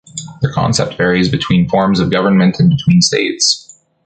The concept varies between forms of government and between states.